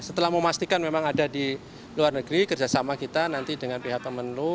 setelah memastikan memang ada di luar negeri kerjasama kita nanti dengan pihak kemenlu